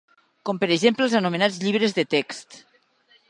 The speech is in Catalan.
Com per exemple els anomenats llibres de text.